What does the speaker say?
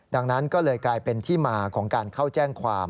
ดังนั้นก็เลยกลายเป็นที่มาของการเข้าแจ้งความ